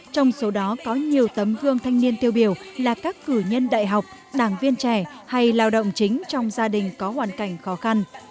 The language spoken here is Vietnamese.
trong số đó có nhiều tấm gương thanh niên tiêu biểu là các cử nhân đại học đảng viên trẻ hay lao động chính trong gia đình